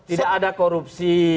tidak ada korupsi